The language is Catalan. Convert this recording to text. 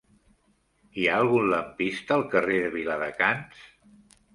Hi ha algun lampista al carrer de Viladecans?